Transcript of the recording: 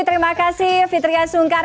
terima kasih fitria sungkar